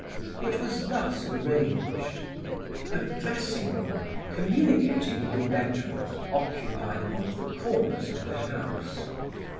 It was thus arranged: A dressing room, communicating with the bedroom, occupied one of the corners of the house.